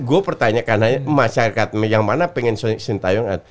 gue pertanyakan aja masyarakat yang mana pengen sintayong